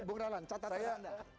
bung ralan catatan anda